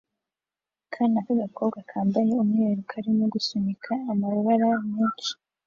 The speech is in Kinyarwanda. Akana k'agakobwa kambaye umweru karimo gusunika amabara menshi